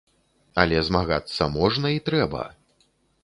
Але змагацца можна і трэба.